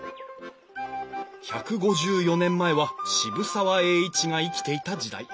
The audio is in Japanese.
１５４年前は渋沢栄一が生きていた時代。